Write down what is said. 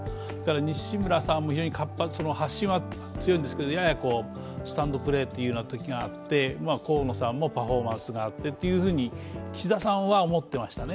西村さんも発信は強いんですけどややスタンドプレーというときがあって河野さんもパフォーマンスがあってて岸田さんは思ってましたね、